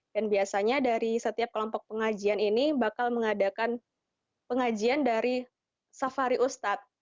dan biasanya dari setiap kelompok pengajian ini bakal mengadakan pengajian dari safari ustad